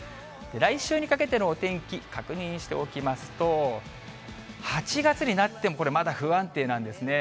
来週にかけてのお天気、確認しておきますと、８月になってもこれ、まだ不安定なんですね。